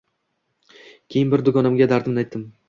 Keyin bir dugonamga dardimni aytdim